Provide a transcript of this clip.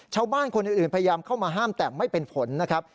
ชาวบ้านคนอื่นพยายามเข้ามาห้ามแต่ไม่เป็นผลนะครับ